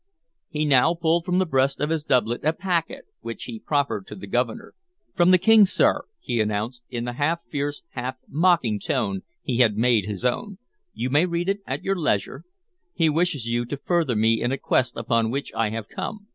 He now pulled from the breast of his doublet a packet, which he proffered the Governor. "From the King, sir," he announced, in the half fierce, half mocking tone he had made his own. "You may read it at your leisure. He wishes you to further me in a quest upon which I have come."